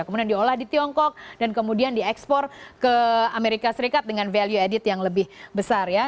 kemudian diolah di tiongkok dan kemudian diekspor ke amerika serikat dengan value added yang lebih besar ya